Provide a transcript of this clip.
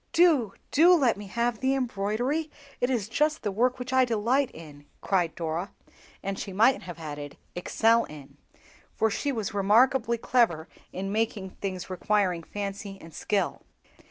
"Do, do let me have the embroidery, it is just the work which I delight in," cried Dora; and she might have added, "excel in," for she was remarkably clever in making things requiring fancy and skill.